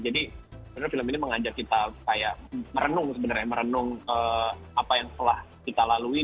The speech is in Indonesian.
jadi film ini mengajak kita kayak merenung sebenarnya merenung apa yang telah kita lalui